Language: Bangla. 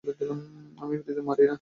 আমি ফ্রীতে মারি না।